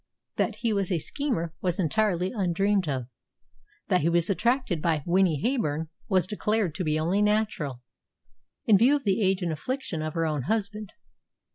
That he was a schemer was entirely undreamed of. That he was attracted by "Winnie Heyburn" was declared to be only natural, in view of the age and affliction of her own husband.